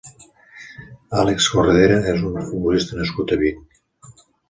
Álex Corredera és un futbolista nascut a Vic.